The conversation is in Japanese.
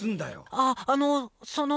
ああのその。